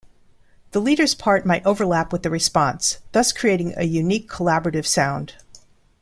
The leader's part might overlap with the response, thus creating a unique collaborative sound.